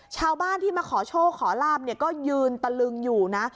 ชาวบ้านที่มาขอโชคขอลาบเนี่ยก็ยืนตะลึงอยู่นะ